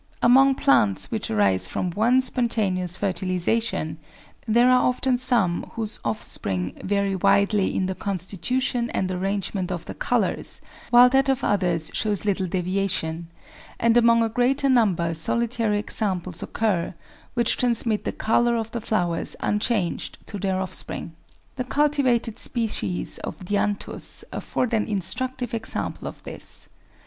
Among plants which arise from one spontaneous fertilisation there are often some whose offspring vary widely in the constitution and arrangement of the colours, while that of others shows little deviation, and 1 [Phaseolus nevertheless is insect fertilised.] APPENDIX 345 among a greater number solitary examples occur which transmit the colour of the flowers unchanged to their offspring. The culti vated species of Dianthus afford an instructive example of this.